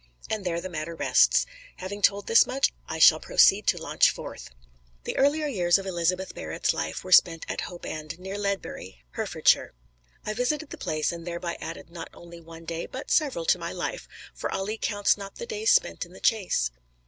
And there the matter rests. Having told this much I shall proceed to launch forth. The earlier years of Elizabeth Barrett's life were spent at Hope End, near Ledbury, Herefordshire. I visited the place and thereby added not only one day, but several to my life, for Ali counts not the days spent in the chase.